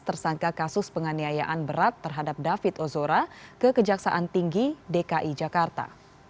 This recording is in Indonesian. tersangka kasus penganiayaan berat terhadap david ozora ke kejaksaan tinggi dki jakarta